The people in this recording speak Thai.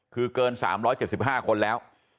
คือเกิน๓๗๕คนแล้ว